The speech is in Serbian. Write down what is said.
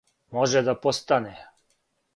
Може да постане.